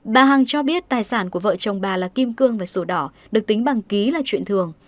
bà hằng cho biết tài sản của vợ chồng bà là kim cương và sổ đỏ được tính bằng ký là chuyện thường